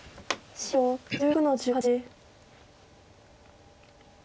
白１６の十八。